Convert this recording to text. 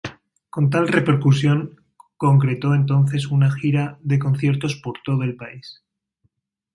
Con tal repercusión, concretó entonces una gira de conciertos por todo el país.